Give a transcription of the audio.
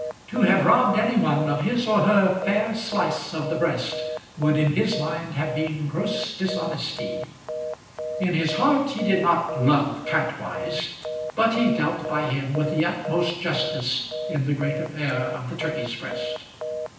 To have robbed any one of his or her fair slice of the breast would, in his mind, have been gross dishonesty. In his heart he did not love Kantwise, but he dealt by him with the utmost justice in the great affair of the turkey's breast.